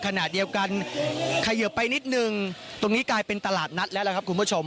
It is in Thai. ขณะเดียวกันเขยิบไปนิดนึงตรงนี้กลายเป็นตลาดนัดแล้วล่ะครับคุณผู้ชม